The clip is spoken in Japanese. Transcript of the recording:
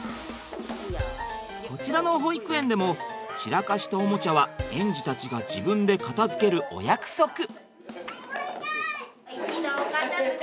こちらの保育園でも散らかしたおもちゃは園児たちが自分で片づけるお約束。